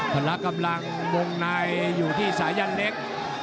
พละกำลังวงในอยู่ที่สายันเล็ก